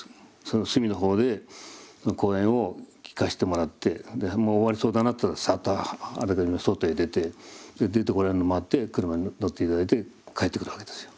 隅の方で講演を聞かせてもらってもう終わりそうだなってさっとあらかじめ外へ出て出てこられるの待って車に乗って頂いて帰ってくるわけですよ。